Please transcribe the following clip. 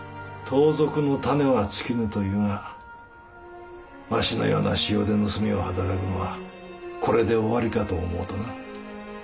「盗賊の種は尽きぬ」というがわしのような仕様で盗みを働くのはこれで終わりかと思うとな。